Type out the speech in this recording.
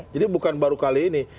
jadi bukan baru kali ini